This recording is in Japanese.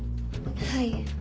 はい。